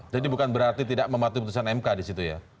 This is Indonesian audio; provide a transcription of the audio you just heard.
jadi bukan berarti tidak mematuhi putusan mk disitu ya